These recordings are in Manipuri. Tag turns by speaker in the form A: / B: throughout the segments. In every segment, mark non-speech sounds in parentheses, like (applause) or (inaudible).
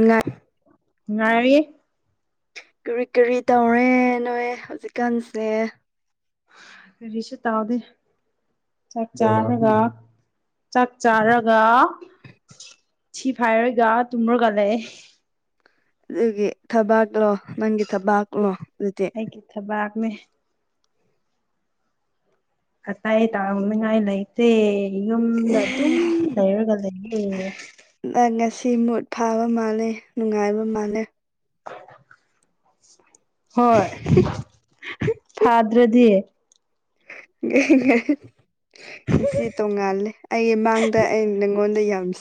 A: ꯉꯥꯏ
B: ꯉꯥꯏꯔꯤꯌꯦ꯫
A: ꯀꯔꯤ ꯀꯔꯤ ꯇꯧꯔꯦ ꯅꯣꯏ ꯍꯧꯖꯤꯛꯀꯥꯟꯁꯦ
B: ꯀꯔꯤꯁꯨ ꯇꯧꯗꯦ ꯆꯥꯛ ꯆꯥꯔꯒ ꯆꯥꯛ ꯆꯥꯔꯒ ꯊꯤꯐꯥꯏꯔꯒ ꯇꯨꯝꯔꯒ ꯂꯩ꯫
A: ꯑꯗꯨꯒꯤ ꯊꯕꯥꯛꯂꯣ ꯅꯪꯒꯤ ꯊꯕꯥꯛꯂꯣ ꯑꯗꯨꯗꯤ꯫
B: ꯑꯩꯒꯤ ꯊꯕꯥꯛꯅꯦ꯫ ꯑꯇꯩ ꯇꯥꯎꯔꯅꯤꯡꯉꯥꯏ ꯂꯩꯇꯦ꯫ ꯌꯨꯝꯗ ꯑꯗꯨꯝ ꯂꯩꯔꯒ ꯂꯩꯌꯦ꯫
A: ꯅꯪ ꯉꯥꯁꯤ ꯃꯨꯠ ꯐꯥꯕ ꯃꯥꯜꯂꯦ ꯅꯨꯡꯉꯥꯏꯕ ꯃꯥꯜꯂꯦ꯫
B: ꯍꯣꯏ ꯐꯥꯗ꯭ꯔꯗꯤ꯫
A: ꯁꯤ ꯇꯣꯡꯉꯥꯜꯂꯦ ꯑꯩꯒꯤ ꯃꯥꯡꯗ ꯑꯩ ꯅꯪꯉꯣꯟꯗ ꯌꯥꯝ꯫ (unintelligible)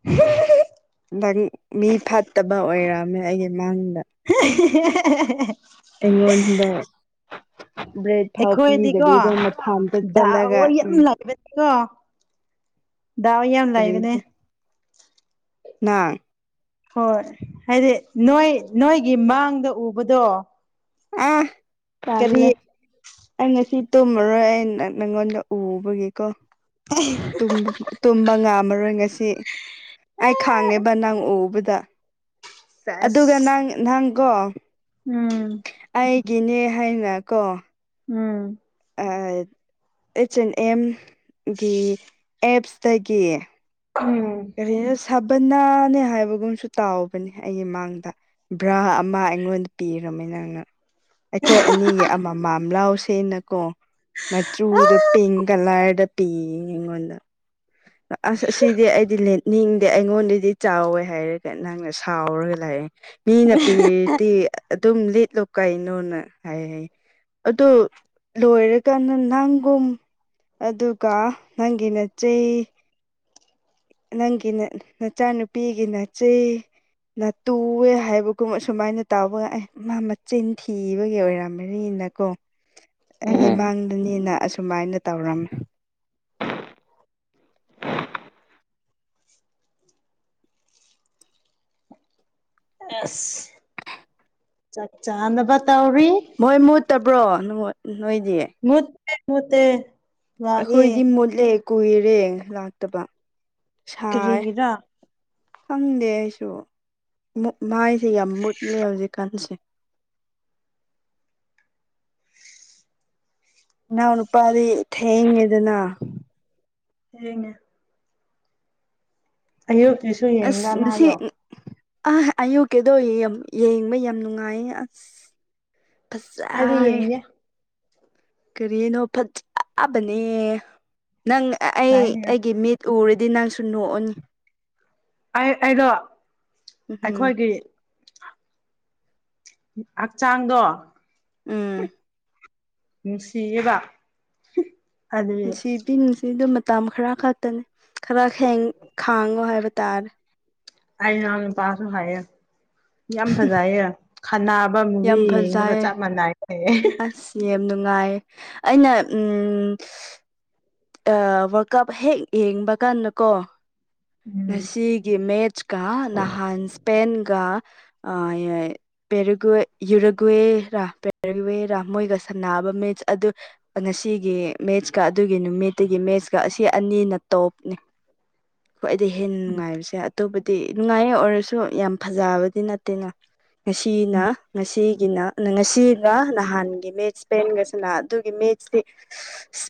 B: (unintelligible)
A: ꯅꯪ ꯃꯤ ꯐꯠꯇꯕ ꯑꯣꯏꯔꯝꯃꯦ ꯑꯩꯗꯤ ꯅꯪ
B: (unintelligible)
A: ꯑꯩꯉꯣꯟꯗ꯫ ꯕ꯭ꯔꯦꯗ ꯐꯥꯎ
B: ꯑꯩꯈꯣꯏꯗꯤꯀꯣ
A: ꯄꯤꯗꯕꯤꯗ (inaudible) ꯊꯝꯗ ꯆꯠꯂꯒ ꯎꯝ꯫
B: ꯗꯤꯀꯣ ꯗꯥꯎ ꯌꯥꯝ ꯂꯩꯕꯅꯦ꯫
A: ꯀꯔꯤꯗ ꯅꯪ
B: ꯍꯣꯏ ꯍꯥꯏꯗꯤ ꯅꯣꯏ ꯅꯣꯏꯒꯤ ꯃꯥꯡꯗ ꯎꯕꯗꯣ
A: ꯑꯥ
B: ꯀꯔꯤ
A: ꯇꯜꯂ‌ꯦ꯫ ꯑꯩ ꯉꯁꯤ ꯇꯨꯝꯃꯔꯣꯏ ꯑꯩ ꯅꯪꯉꯣꯟꯗ ꯎꯕꯒꯤꯀꯣ ꯇꯨꯝꯕ ꯇꯨꯝꯕ ꯉꯥꯝꯃꯔꯣꯏ ꯉꯁꯤ꯫ ꯑꯩ ꯈ‌ꯪꯉꯦꯕ ꯅꯪ ꯎꯕꯗ꯫
B: ꯁꯦꯁ
A: ꯑꯗꯨꯒ ꯅꯪ ꯅꯪꯀꯣ
B: ꯎꯝ꯫
A: ꯑꯩꯒꯤꯅꯦ ꯍꯥꯏꯅ ꯀꯣ
B: ꯎꯝ
A: ꯑꯥ ꯑꯩꯁ ꯑꯦꯟ ꯑꯦꯝ ꯒꯤ ꯑꯦꯞꯁꯇꯒꯤ
B: ꯎꯝ
A: ꯀꯔꯤꯅ ꯁꯥꯕꯅꯥꯅꯦ ꯍꯥꯏꯕꯒꯨꯝꯁꯨ ꯇꯎꯕꯅꯦ ꯑꯩꯒꯤ ꯃꯥꯡꯗ ꯚ꯭ꯔꯥ ꯑꯃ ꯑꯩꯉꯣꯟꯗ ꯄꯤꯔꯝꯃꯦ ꯅꯪꯅ ꯑꯩꯈꯣꯏ ꯑꯅꯤꯒꯤ ꯑꯃꯃꯝ ꯂꯥꯎꯁꯦꯅꯀꯣ ꯃꯆꯨꯗꯣ ꯄꯤꯡ ꯀꯂꯔꯗ ꯄꯤ ꯑꯩꯉꯣꯟꯗ ꯑꯁ ꯑꯁꯤꯗꯤ ꯑꯩ ꯂꯤꯠꯅꯤꯡꯗꯦ ꯑꯩꯉꯣꯟꯗꯗꯤ ꯆꯥꯎꯋꯦ ꯍꯥꯏꯔꯒ ꯅꯪꯅ ꯁꯥꯎꯔꯒ ꯂꯥꯛꯑꯦ ꯃꯤꯅ ꯄꯤ ꯑꯗꯨꯝ ꯂꯤꯠꯂꯣ ꯀꯩꯅꯣꯅ ꯍꯥꯏ ꯍꯥꯏ ꯑꯗꯨ ꯂꯣꯏꯔꯀꯥꯟꯗ ꯅꯪꯒꯨꯝ ꯑꯗꯨꯒ ꯅꯪꯒꯤ ꯅꯆꯦ ꯅꯪꯒꯤꯅ ꯅꯆꯥꯅꯨꯄꯤꯒꯤ ꯅꯆꯦ ꯅꯇꯨꯋꯦ ꯍꯥꯏꯕ ꯀꯣ ꯑꯁꯨꯃꯥꯏꯅ ꯇꯥꯎꯕꯒ ꯑꯩ ꯃꯥ ꯃꯆꯤꯟ ꯊꯤꯕꯒꯤ ꯑꯣꯏꯔꯝꯒꯅꯤꯅꯀꯣ ꯑꯩꯒꯤ ꯃꯥꯡꯗꯅꯤꯅ ꯑꯁꯨꯃꯥꯏꯅ ꯇꯧꯔꯝꯃꯦ
B: ꯑꯁ ꯆꯥꯛ ꯆꯥꯅꯕ ꯇꯧꯔꯤ
A: ꯍꯣꯏ ꯃꯨꯠꯇꯕ꯭ꯔꯣ ꯅꯣꯏꯗꯤ
B: ꯃꯨꯠꯇꯦ ꯃꯨꯠꯇꯦ ꯂꯥꯛꯑꯦ
A: ꯑꯩꯈꯣꯏꯗꯤ ꯃꯨꯠꯂꯦ ꯀꯨꯏꯔꯦ ꯂꯥꯛꯇꯕ ꯁꯥꯏ
B: ꯀꯔꯤꯒꯤꯔꯥ
A: ꯈꯪꯗꯦ ꯑꯩꯁꯨ ꯃꯥꯏꯁꯦ ꯌꯥꯝ ꯃꯨꯠꯂꯦ ꯍꯧꯖꯤꯛꯀꯥꯟꯁꯦ ꯏꯅꯥꯎ ꯅꯨꯄꯥꯗꯤ ꯊꯦꯡꯉꯦꯗꯅ
B: ꯊꯦꯡꯉꯦ ꯑꯌꯨꯛꯀꯤꯁꯨ ꯌꯦꯡꯕ ꯃꯥꯗꯣ
A: ꯑꯥ ꯑꯌꯨꯛꯀꯤꯗꯣ ꯌꯦꯡꯕ ꯌꯥꯝ ꯅꯨꯡꯉꯥꯏꯅꯦ ꯑꯁ
B: ꯑꯩꯗꯤ
A: ꯐꯖꯥꯢ
B: ꯌꯦꯡꯗꯦ
A: ꯀꯔꯤꯅꯣ ꯐꯖꯕꯅꯦ ꯅꯪ ꯑꯩ
B: ꯂꯥꯏꯔꯤꯛ
A: ꯑꯩꯒꯤ ꯃꯤꯠ ꯎꯔꯗꯤ ꯅꯪꯁꯨ ꯅꯣꯛꯑꯅꯤ
B: ꯑꯩ ꯑꯩꯗꯣ
A: ꯎꯝ
B: ꯑꯩꯈꯣꯏꯒꯤ ꯍꯛꯆꯥꯡꯗꯣ
A: ꯎꯝ
B: ꯅꯨꯡꯁꯤꯌꯦꯕ ꯑꯗꯨꯒꯤ
A: ꯅꯨꯡꯁꯤꯕꯗꯤ ꯅꯨꯡꯁꯤ ꯃꯇꯝ ꯈꯔ ꯈꯛꯇꯅꯦ ꯈꯔ ꯍꯦꯡ ꯈꯥꯡꯉꯣ ꯍꯥꯏꯕ ꯇꯥꯔꯦ
B: ꯑꯩ ꯏꯅꯥꯎ ꯅꯨꯄꯥꯁꯨ ꯍꯥꯏꯌꯦ ꯌꯥꯝ ꯐꯖꯩꯌꯦ ꯈꯩꯅꯕ ꯃꯨꯕꯤ
A: ꯌꯥꯝ
B: ꯌꯦꯡꯕꯒ
A: ꯐꯖꯩꯌꯦ
B: ꯆꯞ ꯃꯥꯟꯅꯩ ꯍꯥꯏꯌꯦ
A: ꯑꯁ ꯌꯥꯝ ꯅꯨꯡꯉꯥꯏ ꯑꯩꯅ ꯎꯝ ꯋꯥꯔꯜ ꯀꯞ ꯍꯦꯛ ꯌꯦꯡꯕ ꯀꯥꯟꯗꯀꯣ
B: ꯎꯝ
A: ꯉꯁꯤꯒꯤ ꯃꯦꯠꯁ ꯀ ꯅꯍꯥꯟ ꯁꯄꯦꯟꯒ ꯑ ꯌꯦ ꯄꯦꯔꯨꯒꯦ ꯌꯨꯔꯨꯒꯋꯦꯔ ꯄꯦꯔꯨꯒꯋꯦꯔ ꯃꯣꯏꯒ ꯁꯥꯟꯕ ꯃꯦꯠꯁ ꯑꯗꯨ ꯉꯁꯤꯒꯤ ꯃꯦꯠꯁꯀ ꯑꯗꯨꯒꯤ ꯅꯨꯃꯤꯠꯇꯒꯤ ꯃꯦꯠꯁꯀ ꯑꯁꯤ ꯑꯅꯤꯅ ꯇꯣꯞꯅꯦ (inaudible) ꯈ꯭ꯋꯥꯏꯗꯩ ꯍꯦꯟ ꯅꯨꯉꯥꯏꯕꯁꯦ ꯑꯇꯣꯞꯄꯗꯤ ꯅꯨꯉꯥꯏꯌꯦ ꯑꯣꯏꯔꯁꯨ ꯌꯥꯝ ꯐꯖꯕꯗꯤ ꯅꯠꯇꯦꯅ ꯉꯁꯤꯅ ꯉꯁꯤꯒꯤꯅ ꯅ ꯉꯁꯤꯒ ꯅꯍꯥꯟꯒꯤ ꯃ‌ꯦꯠꯁ ꯄꯦꯟꯒ ꯁꯅꯥ ꯑꯗꯨꯒꯤ ꯃꯦꯠꯁꯇꯤ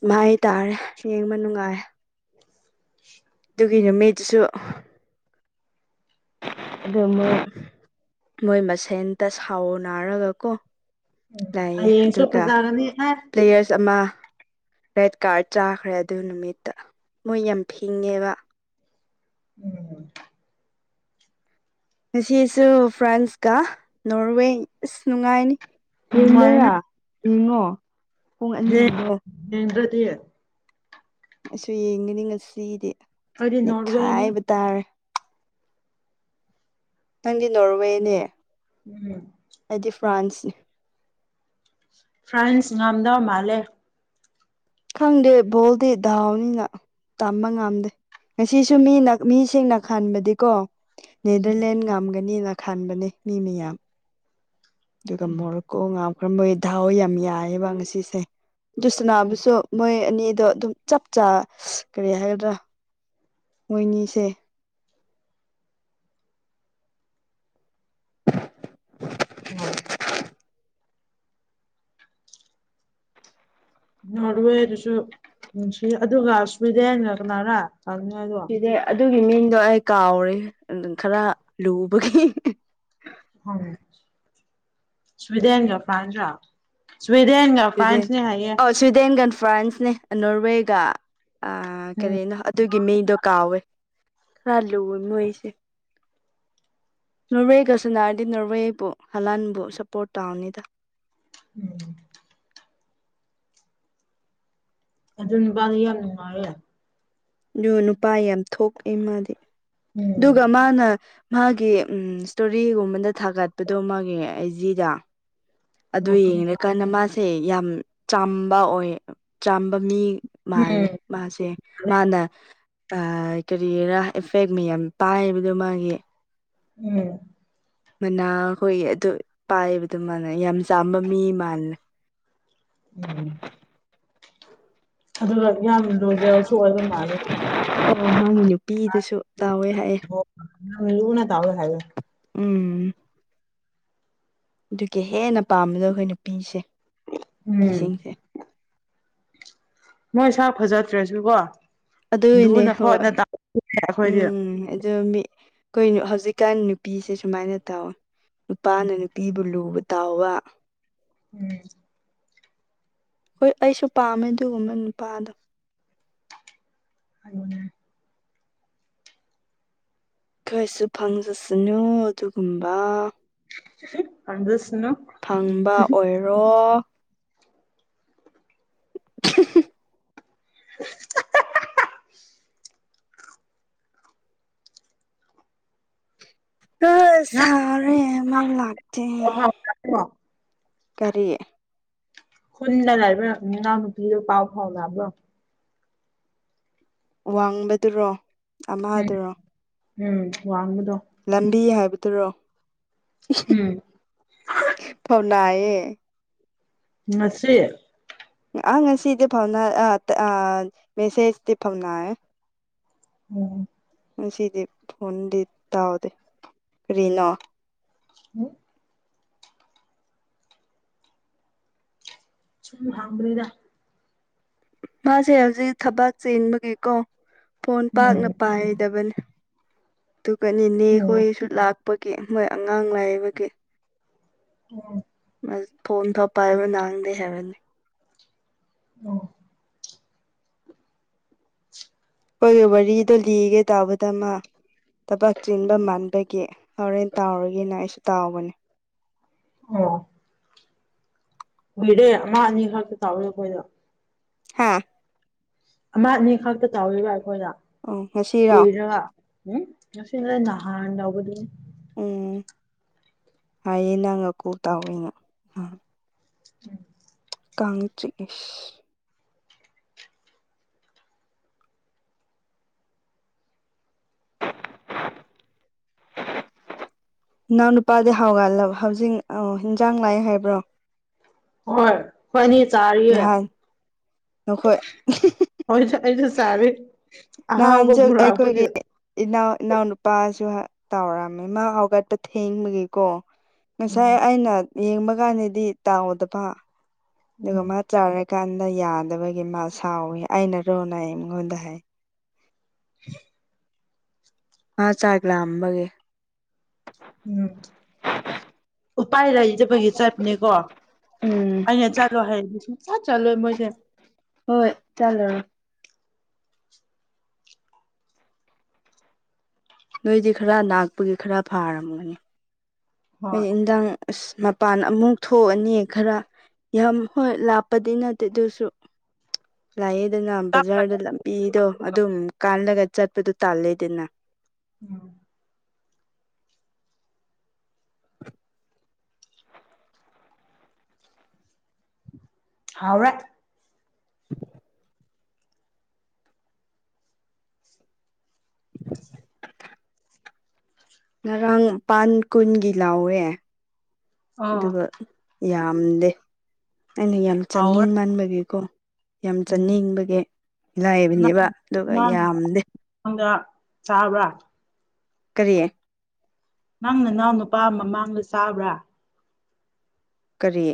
A: ꯃꯥꯏ ꯇꯔꯦ ꯌꯦꯡꯕ ꯅꯨꯉꯥꯏ
B: (inaudible)
A: ꯇꯨꯒꯤ ꯅꯨꯃꯤꯠꯁꯨ ꯑꯗꯨ ꯑꯃꯥ ꯃꯣꯏ ꯃꯁꯦꯟꯇ ꯁꯥꯎꯅꯥꯔꯒ ꯀꯣ
B: ꯎꯝ
A: ꯂꯌ‌ꯦ
B: ꯍꯌꯦꯡꯁꯨ
A: ꯑꯗꯨꯒ
B: ꯐꯖꯒꯅꯤ ꯑꯦ
A: ꯄ꯭ꯂꯦꯌꯔꯁ ꯑꯃꯥ ꯔꯦꯠ ꯀꯔꯥꯠ ꯆꯥꯈ꯭ꯔꯦ ꯑꯗꯨ ꯅꯨꯃꯤꯠꯇ ꯃꯣꯏ ꯌꯥꯝ ꯐꯤꯡꯉꯦꯕ
B: (unintelligible)
A: ꯉꯁꯤꯁꯨ ꯐ꯭ꯔꯥꯟꯁꯀ ꯅꯣꯔꯋꯦ ꯑꯁ ꯅꯨꯉꯥꯏꯅꯤ ꯆ‌ꯦ
B: ꯅꯨꯡꯉꯥꯏꯅꯤ
A: ꯃ‌ꯦꯌꯥ ꯌ‌ꯦꯉ‌ꯣ ꯄꯨꯡ ꯑꯅꯤꯒꯤꯗ‌ꯣ
B: ꯌꯦꯡꯗ꯭ꯔꯗꯤ
A: ꯑꯩꯁꯨ ꯌꯦꯡꯒꯅꯤ ꯉꯁꯤꯗꯤ
B: ꯑꯩꯗꯤ ꯅꯣꯔꯋꯦꯅꯦ
A: ꯅꯩꯈꯥꯏꯕ ꯇꯥꯔꯦ ꯅꯪꯗꯤ ꯅꯣꯔꯋꯦꯅꯦ
B: ꯎꯝ
A: ꯑꯩꯗꯤ ꯐ꯭ꯔꯥꯟꯁꯅ‌ꯦ
B: ꯐ꯭ꯔꯥꯟꯁ ꯉꯝꯗꯧ ꯃꯥꯜꯂꯦ
A: ꯈꯪꯗꯦ ꯕꯣꯜꯗꯤ ꯗꯥꯎꯅꯤꯅ ꯇꯝꯕ ꯉꯝꯗꯦ ꯉꯁꯤꯁꯨ ꯃꯤꯅ ꯃꯤꯁꯤꯡꯅ ꯈꯟꯕꯗꯤꯀꯣ
B: ꯎꯝ
A: ꯅꯦꯗꯔꯂꯦꯟ ꯉꯝꯒꯅꯤꯅ ꯈꯟꯕꯅꯦ ꯃꯤ ꯃꯌꯥꯝ‌ ꯗꯨꯒ ꯃꯣꯔꯣꯀꯣ ꯉꯥꯝꯈ꯭ꯔꯕꯩ ꯙꯥꯎ ꯌꯥꯝ ꯌꯥꯏꯌ‌ꯦꯕ ꯉꯁꯤꯁꯦ ꯗꯨ ꯁꯅꯥꯕꯁꯨ ꯃꯣꯏ ꯑꯅꯤꯗꯣ ꯗꯨꯝ ꯆꯞ ꯆꯥ ꯀꯔꯤ ꯍꯥꯏꯒꯗ꯭ꯔꯥ ꯃꯣꯏꯅꯤꯁꯦ (unintelligible)
B: ꯏꯃꯥ
A: (unintelligible)
B: ꯅꯣꯔꯋꯦꯗꯨꯁꯨ ꯅꯨꯡꯁꯤ ꯑꯗꯨꯒ ꯁ꯭ꯋꯤꯗꯦꯟꯅ ꯀꯅꯥꯔꯥ (unintelligible)
A: ꯑꯗꯨꯒꯤ ꯃꯤꯡꯗꯣ ꯑꯩ ꯀꯥꯎꯔꯦ ꯑꯗꯨꯝ ꯈꯔ ꯂꯨꯕꯒꯤ
B: (unintelligible) ꯁ꯭ꯋꯤꯂ‌ꯦꯟꯒ ꯐ꯭ꯔꯥꯟꯁ ꯔ ꯁ꯭ꯋꯤꯗꯦꯟꯒ ꯐ꯭ꯔꯥꯟꯁꯅꯦ ꯍꯥꯏꯌꯦ
A: ꯁ꯭ꯋꯤꯗꯦꯟꯒꯟ ꯐ꯭ꯔꯥꯟꯁꯅꯦ ꯑꯥ ꯅꯣꯔꯋꯦꯒ ꯑ
B: ꯎꯝ
A: ꯀꯔꯤꯅꯣ ꯑꯗꯨꯒꯤ ꯃꯤꯗꯣ ꯀꯥꯎꯋꯦ ꯈꯔ ꯂꯨꯋ‌ꯦ ꯃꯣꯏꯁꯦ ꯅꯣꯔꯋꯦꯒ ꯁꯅꯔꯗꯤ ꯅꯣꯔꯋꯦꯕꯨ ꯍꯂꯥꯟꯕꯨ ꯁꯞꯄꯣꯔꯠ ꯇꯧꯅꯤꯗ
B: ꯎꯝ ꯑꯗꯨ ꯅꯨꯄꯥꯗꯨ ꯌꯥꯝ ꯅꯨꯡꯉꯥꯏꯌꯦ
A: ꯗꯨ ꯅꯨꯄꯥ ꯌꯥꯝ ꯊꯣꯛꯑꯦ ꯃꯗꯤ
B: ꯎꯝ
A: ꯗꯨꯒ ꯃꯅꯥ ꯃꯥꯒꯤ ꯎꯝ ꯏꯁꯇꯣꯔꯤꯒꯨꯝꯕꯗ ꯊꯥꯒꯠꯄꯗꯣ ꯃꯥꯒꯤ ꯑꯩ ꯖꯤꯗ ꯑꯗꯨ
B: ꯋꯥꯄꯗꯤ ꯊꯥ
A: ꯌꯦꯡꯔꯀꯥꯟꯗ ꯃꯥꯁꯦ ꯌꯥꯝ ꯆꯥꯝꯕ ꯑꯣꯏ ꯆꯥꯝꯕ ꯃꯤ
B: ꯎꯝ
A: ꯃꯥꯜꯂꯦ ꯃꯥꯁꯦ ꯃꯥꯅ ꯑꯥꯏ ꯀꯔꯤꯔꯥ ꯏꯐꯦꯛ ꯃꯌꯥꯝ ꯄꯥꯏꯕꯗꯣ ꯃꯥꯒꯤ
B: ꯎꯝ
A: ꯃꯅꯥꯈꯣꯏ ꯑꯗꯨ ꯄꯥꯏꯕ ꯗꯨ ꯃꯥꯅ ꯌꯥꯝ ꯆꯥꯝꯕ ꯃꯤ ꯃꯥꯜꯂ‌‌ꯦ
B: (unintelligible) ꯑꯗꯨꯒ ꯌꯥꯝ ꯂꯣꯏꯌꯦꯜꯁꯨ ꯑꯣꯏꯕ ꯃꯥꯜꯂꯦ
A: ꯑꯣ ꯅꯪꯒꯤ ꯅꯨꯄꯤ
B: (unintelligible) ꯍꯥꯏꯌꯦ
A: ꯎꯝ ꯑꯗꯨꯒꯤ ꯍꯦꯟꯅ ꯄꯥꯝꯕꯗꯣ ꯑꯩꯈꯣꯏ ꯅꯨꯄꯤꯁꯦ
B: ꯎꯝ
A: ꯅꯨꯄꯤꯁꯤꯡꯁꯦ
B: ꯃꯣꯏ ꯁꯛ ꯐꯖꯗ꯭ꯔꯁꯨꯀꯣ
A: ꯑꯗꯨꯏꯅꯦ
B: ꯂꯨꯅ
A: ꯍꯣꯏ
B: ꯈꯣꯠꯅ ꯇꯧꯔꯦ ꯑꯩꯈꯣꯏꯗꯤ
A: ꯎꯝ ꯑꯗꯨ ꯃꯤ ꯑꯩꯈꯣꯏ ꯍꯧꯖꯤꯛꯀꯥꯟ ꯅꯨꯄꯤꯁꯦ ꯁꯨꯃꯥꯏꯅ ꯇꯧꯋꯦ
B: ꯎꯝ
A: ꯅꯨꯄꯥꯅ ꯅꯨꯄꯤꯕꯨ ꯂꯨꯅ ꯇꯧꯕ
B: ꯎꯝ
A: ꯍꯣꯏ ꯑꯩꯁꯨ ꯄꯥꯝꯃꯦ ꯑꯗꯨꯒꯨꯝꯕ ꯅꯨꯄꯥꯗꯣ
B: (inaudible)
A: ꯑꯩꯈꯣꯏꯁꯨ ꯐꯪꯖꯁꯅꯨ ꯑꯗꯨꯒꯨꯝꯕ
B: ꯐꯪꯖꯁꯨꯅꯨ
A: ꯐꯪꯕ ꯑꯣꯏꯔꯣ (unintelligible)
B: (unintelligible)
A: ꯑ ꯁꯥꯔꯦ ꯃꯩ ꯂꯥꯛꯇꯦ
B: ꯑ (unintelligible)
A: ꯀꯔꯤ
B: ꯈꯨꯟꯗ ꯂꯩꯕ ꯏꯅꯥꯎ ꯅꯨꯄꯤꯗꯣ ꯄꯥꯎ ꯐꯥꯎꯅꯕ꯭ꯔꯣ
A: ꯋꯥꯡꯕꯗꯨꯔꯣ
B: ꯎꯝ
A: ꯑꯃꯗꯨꯔꯣ
B: ꯎꯝ ꯋꯥꯡꯕꯗꯣ
A: ꯂꯝꯕꯤ ꯍꯥꯏꯕꯗꯨꯔꯣ
B: ꯎꯝ
A: ꯐꯥꯎꯅꯩꯌꯦ
B: ꯉꯁꯤ
A: ꯑ ꯉꯁꯤꯗꯤ ꯐꯥꯎꯅ ꯑꯥ ꯃꯦꯁꯦꯖꯗꯤ ꯐꯥꯎꯅꯩ
B: ꯎꯝ
A: ꯉꯁꯤꯗꯤ ꯐꯣꯟꯗꯤ ꯇꯥꯎꯗꯦ ꯀꯔꯤꯅꯣ
B: ꯎꯝ ꯁꯨꯝ ꯍꯥꯡꯕꯅꯤꯗ
A: ꯃꯥꯁꯦ ꯍꯧꯖꯤꯛ ꯊꯕꯥꯛ ꯆꯦꯟꯕꯒꯤꯀꯣ ꯐꯣꯟ
B: ꯎꯝ
A: ꯄꯥꯛꯅ ꯄꯥꯏꯗꯕꯅꯤ ꯑꯗꯨꯒ ꯅꯤꯅꯦ ꯍꯣꯏꯁꯨ ꯂꯥꯛ ꯄꯒꯤ ꯃꯣꯏ ꯑꯉꯥꯡ ꯂꯩꯕꯒꯤ
B: ꯎꯝ
A: ꯐꯣꯟꯗꯣ ꯄꯥꯢꯕ ꯅꯪꯗꯦ ꯍꯥꯏꯕꯅꯤ
B: ꯑꯣ
A: ꯈꯣꯢ ꯋꯥꯔꯤꯗꯣ ꯂꯤꯒꯦ ꯇꯥꯕꯗ ꯃꯥ ꯊꯕꯛ ꯆꯦꯟꯕ ꯃꯥꯟꯕꯒꯤ ꯍꯣꯔꯦꯟ ꯇꯥꯎꯔꯒꯤꯅ ꯑꯩꯁꯨ ꯇꯥꯎꯕꯅꯦ
B: ꯑꯣ ꯀꯨꯢꯔꯦ ꯑꯃ ꯑꯅꯤꯈꯛꯇ ꯇꯧꯋꯦ ꯃꯣꯢꯗꯣ
A: ꯍꯥꯥ
B: ꯑꯃ ꯑꯅꯤ ꯈꯛꯇ ꯇꯧꯔꯤꯕ ꯑꯩꯈꯣꯏꯗ
A: ꯑꯣ ꯉꯁꯤꯔꯣ
B: ꯀꯨꯏꯔꯒ ꯎꯝ ꯉꯁꯤ ꯅꯍꯥꯟ ꯇꯥꯎꯕꯗꯨꯅꯤ
A: ꯎꯝ ꯍꯥꯏꯌꯦ ꯅꯪꯒ ꯀꯣꯜ ꯇꯧꯋꯦꯅ ꯑꯥ
B: ꯎꯝ (inaudible)
A: ꯀꯥꯡ ꯆꯤꯛꯑꯦ ꯅꯅꯥꯎꯅꯨꯄꯥꯗꯤ ꯍꯥꯎꯒꯠꯂꯦ ꯍꯧꯖꯤꯛ ꯑ ꯏꯟꯖꯥꯡ ꯂꯥꯛꯑꯦ ꯍꯥꯏꯕ꯭ꯔꯣ
B: ꯍꯣꯏ ꯢꯕꯥꯅꯤ ꯆꯥꯔꯤꯌꯦ
A: ꯅꯍꯥꯟ ꯅꯈꯣꯏ
B: ꯍꯣꯏ ꯑꯩꯁꯨ ꯆꯥꯔꯤ ꯑꯍꯥꯎꯕ
A: ꯅꯍꯥꯟꯁꯨ ꯑꯩꯈꯣꯏꯒꯤ
B: ꯄꯨꯔꯛꯄꯒꯤ
A: ꯏꯅꯥꯎ ꯏꯅꯥꯎꯅꯄꯥꯁꯨ ꯇꯥꯎꯔꯝꯃꯦ ꯃꯥ ꯍꯧꯒꯠꯄ ꯊꯦꯡꯕꯒꯤ ꯀꯣ ꯉꯁꯥꯏ
B: ꯎꯝ
A: ꯑꯩꯅ ꯌꯦꯡꯕ ꯀꯥꯟꯗꯗꯤ ꯇꯧꯗꯕ
B: ꯎꯝ
A: ꯑꯗꯨꯒ ꯆꯥꯔꯀꯥꯟꯗ ꯌꯥꯗꯕꯒꯤ ꯃꯥ ꯁꯥꯎꯋꯤ ꯑꯩꯅꯔꯣꯅ ꯑꯩꯉꯣꯟꯗ ꯍꯥꯏ
B: (inaudible)
A: ꯃꯥ ꯆꯥꯛ ꯂꯥꯛꯕꯒꯤ
B: ꯎꯝ ꯎꯄꯥꯏ ꯂꯩꯇꯕꯒꯤ ꯆꯠꯕꯅꯦꯀꯣ
A: ꯎꯝ
B: ꯑꯩꯅ ꯆꯠꯂꯣ ꯍꯥꯏꯗꯤ ꯁꯨꯡꯖꯠ ꯆꯠꯂꯣꯏ ꯃꯣꯏꯁꯦ
A: ꯍꯣꯏ ꯆꯠꯂꯣꯢ ꯅꯣꯏꯗꯤ ꯈꯔ ꯅꯥꯛꯄꯒꯤ ꯈꯔ ꯐꯥꯔꯝꯒꯅꯤ ꯑ
B: ꯍꯣꯏ
A: ꯏꯟꯗꯥꯡ ꯑꯁ ꯃꯄꯥꯟ ꯑꯃꯨꯛ ꯊꯣꯛꯑꯅꯤ ꯈꯔ ꯌꯥꯝ ꯍꯣꯏ ꯂꯥꯞꯄꯗꯤ ꯅꯠꯇꯦ ꯑꯗꯨꯁꯨ ꯂꯥꯛꯑꯦ ꯑꯗꯨꯅ ꯕꯖꯥꯔꯗ ꯂꯝꯕꯤꯗꯣ ꯑꯗꯨꯝ ꯀꯥꯜꯂꯒ ꯆꯠꯄꯗꯣ ꯇꯥꯜꯂꯦꯗꯅ
B: ꯎꯝ ꯍꯥꯎꯔꯦ
A: ꯉꯔꯥꯡ ꯃꯄꯥꯟ ꯀꯨꯟꯒꯤ ꯂꯥꯎꯋꯦ
B: ꯑꯥ
A: ꯑꯗꯨꯒ ꯌꯥꯝꯗꯦ ꯑꯩꯅ ꯌꯥꯝ
B: ꯍꯥꯎꯔꯦ
A: ꯆꯥꯅꯤꯡ ꯃꯥꯟꯕꯒꯤꯀꯣ ꯌꯥꯝ
B: ꯎꯝ
A: ꯆꯥꯅꯤꯡꯕꯒꯤ
B: ꯅꯪ
A: ꯂꯥꯏꯕꯅꯦꯕ ꯑꯗꯨꯒ
B: ꯅꯪ
A: ꯌꯥꯝꯗꯦ
B: (unintelligible) ꯆꯥꯕ꯭ꯔꯥ
A: ꯀꯔꯤ
B: ꯅꯪ ꯅꯅꯥꯎ ꯅꯨꯄꯥ ꯑꯃ ꯃꯃꯥꯡꯗ ꯆꯥꯕ꯭ꯔꯥ
A: ꯀꯔꯤ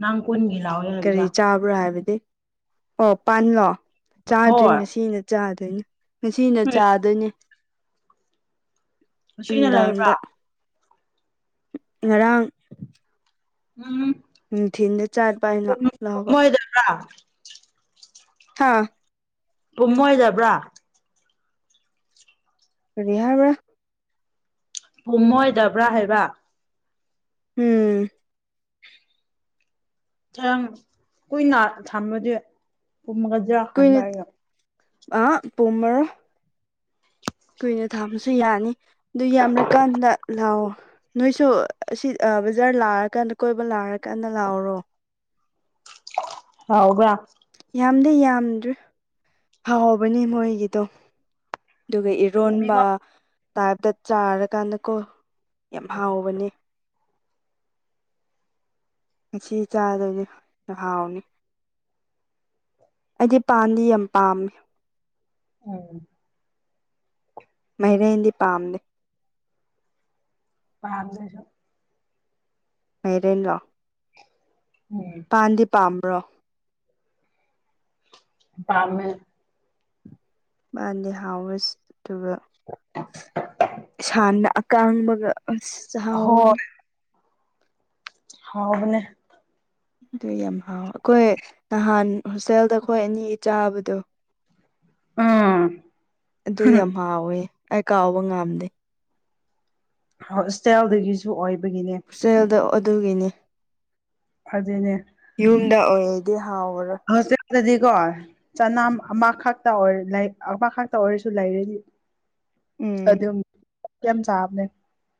B: ꯅꯪ ꯀꯣꯟꯒꯤ ꯂꯥꯎꯋꯦ
A: ꯀꯔꯤ
B: ꯍꯥꯢꯕꯗꯣ
A: ꯆꯥꯕ꯭ꯔꯥ ꯍꯥꯏꯕꯗꯤ ꯑꯣ ꯄꯥꯟꯂꯣ ꯆꯥꯗ꯭ꯔꯤ
B: ꯍꯣꯏ
A: ꯉꯁꯤꯅ ꯆꯥꯗꯣꯏꯅꯦ ꯉꯁꯤꯅ
B: ꯏꯁ
A: ꯆꯥꯗꯣꯏꯅꯤ
B: ꯉꯁꯤꯅ ꯂꯩꯕ꯭ꯔꯥ
A: ꯅꯨꯡꯗꯥꯡꯗ ꯉꯔꯥꯡ
B: ꯎꯝ
A: ꯅꯨꯡꯊꯤꯟꯗ ꯆꯥꯠꯄ ꯑꯩꯅ ꯂꯥꯎꯕ
B: (unintelligible) (unintelligible)
A: ꯍꯥꯥ
B: ꯄꯨꯝꯃꯣꯢꯗꯕ꯭ꯔꯥ
A: ꯀꯔꯤ ꯍꯥꯢꯕ꯭ꯔꯥ
B: ꯄꯨꯝꯃꯣꯏꯗꯕ꯭ꯔꯥ ꯍꯥꯏꯕ
A: ꯎꯝ
B: ꯉꯔꯥꯡ ꯀꯨꯏꯅ ꯊꯝꯃꯗꯤ ꯄꯨꯝꯒꯗ꯭ꯔꯥ ꯍꯥꯢꯕ ꯑꯩꯅ
A: ꯑꯥ ꯄꯨꯝꯃꯔꯣꯢ ꯀꯨꯏꯅ ꯊꯥꯕꯁꯨ ꯌꯥꯅꯤ ꯑꯗꯨ ꯌꯥꯝꯔꯀꯥꯟꯗ ꯂꯥꯎꯑꯣ ꯅꯣꯏꯁꯨ ꯑꯁꯤ ꯕꯖꯥꯔ ꯂꯥꯛꯑꯀꯥꯟꯗ ꯀꯣꯏꯕ ꯂꯥꯛꯑꯀꯥꯟꯗ ꯂꯧꯔꯣ
B: ꯍꯥꯎꯕ꯭ꯔꯥ
A: ꯌꯥꯝꯗꯤ ꯌꯥꯝꯗ꯭ꯔꯦ ꯍꯥꯎꯕꯅꯦ ꯃꯣꯏꯒꯤꯗꯣ ꯑꯗꯨꯒ ꯏꯔꯣꯟꯕ
B: ꯊꯨꯝꯃꯤꯀꯣ
A: ꯇꯥꯏꯞꯇ ꯆꯥꯔꯀꯥꯟꯗꯀꯣ ꯌꯥꯝ ꯍꯥꯎꯕꯅꯦ ꯉꯁꯤ ꯆꯥꯗꯣꯏꯅꯤ ꯍꯥꯎꯅꯤ ꯑꯩꯗꯤ ꯄꯥꯟꯗꯤ ꯌꯥꯝ ꯄꯥꯝꯃꯦ
B: ꯎꯝ
A: ꯃꯥꯢꯔꯦꯟꯗꯤ ꯄꯥꯝꯗꯦ
B: ꯄꯥꯝꯗꯦꯁꯨ
A: ꯃꯥꯢꯔꯦꯟꯔꯣ
B: ꯎꯝ
A: ꯄꯥꯟꯗꯤ ꯄꯥꯝꯕ꯭ꯔꯣ
B: ꯄꯥꯝꯃꯦ
A: ꯃꯥꯅꯤ (unintelligible) ꯑꯗꯨꯒ ꯁꯥꯟ ꯑꯀꯥꯡꯕꯒ ꯑꯁ ꯆꯍꯥꯎꯕꯅꯤ
B: ꯍꯣꯏ ꯍꯥꯎꯕꯅꯦ
A: ꯑꯗꯨ ꯌꯥꯝ ꯍꯥꯎ ꯑꯈꯣꯏ ꯅꯍꯥꯟ ꯍꯣꯁꯇꯦꯜꯗ ꯑꯈꯣꯏ ꯑꯅꯤ ꯆꯥꯕꯗꯣ
B: ꯎꯝ
A: ꯑꯗꯨ ꯌꯥꯝ ꯍꯥꯎꯋꯦ ꯑꯩ ꯀꯥꯎꯕ ꯉꯥꯝꯗꯦ
B: ꯍꯣꯁꯇꯦꯜꯗꯒꯤꯁꯨ ꯑꯣꯏꯕꯒꯤꯅꯦ
A: ꯍꯣꯁꯇꯦꯜꯗ ꯑꯗꯨꯒꯤꯅꯦ
B: ꯑꯗꯨꯅꯦ
A: ꯌꯨꯝꯗ ꯑꯣꯏꯔꯗꯤ ꯍꯥꯎꯔꯔꯣꯢ
B: ꯍꯣꯁꯇꯦꯜꯗꯗꯤ ꯀꯣ ꯆꯅꯥꯝ ꯑꯃ ꯈꯛꯇ ꯑꯃ ꯈꯛꯇ ꯑꯣꯏꯔꯁꯨ ꯂꯩꯔꯗꯤ
A: ꯎꯝ
B: ꯑꯗꯨꯝ (unintelligible) ꯁꯥꯕꯅꯦ